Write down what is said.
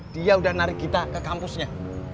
dia udah narik kita ke kampusnya